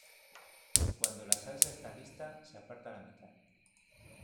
Cuando la salsa está lista se aparta la mitad.